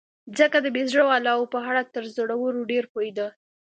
ځکه د بې زړه والاو په اړه تر زړورو ډېر پوهېده.